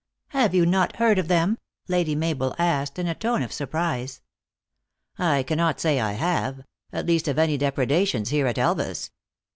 Have you not heard of them ?" Lady Mabel asked in a tone of surprise. " I cannot say I have at least of any depredations here at Elvas."